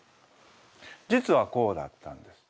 実はこうだったんです。